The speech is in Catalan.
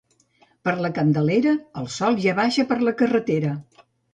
Per la Candelera el sol ja baixa per la carretera.